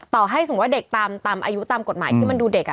ให้สมมุติว่าเด็กตามอายุตามกฎหมายที่มันดูเด็ก